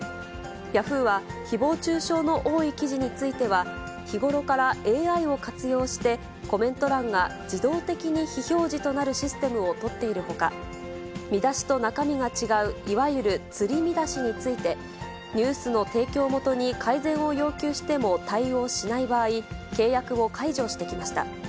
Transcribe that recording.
ヤフーはひぼう中傷の多い記事については、日ごろからＡＩを活用して、コメント欄が自動的に非表示となるシステムを取っているほか、見出しと中身が違う、いわゆる釣り見出しについて、ニュースの提供元に改善を要求しても対応しない場合、契約を解除してきました。